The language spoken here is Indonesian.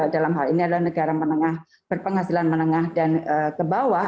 dalam hal ini adalah negara berpenghasilan menengah dan kebawah